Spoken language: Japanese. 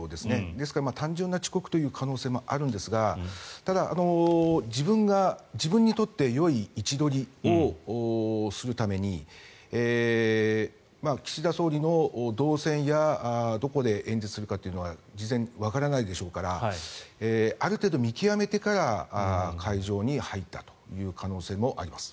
ですから単純な遅刻という可能性もあるんですがただ、自分が自分にとってよい位置取りをするために岸田総理の動線やどこで演説するかというのは事前にわからないでしょうからある程度見極めてから会場に入ったという可能性もあります。